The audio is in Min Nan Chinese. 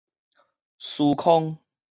斯康